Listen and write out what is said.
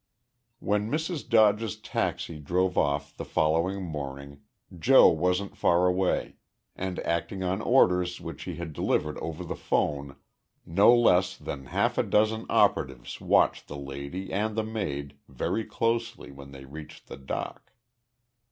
When Mrs. Dodge's taxi drove off the following morning Joe wasn't far away, and, acting on orders which he had delivered over the phone, no less than half a dozen operatives watched the lady and the maid very closely when they reached the dock.